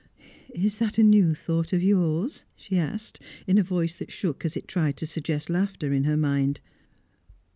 "Is that a new thought of yours?" she asked, in a voice that shook as it tried to suggest laughter in her mind.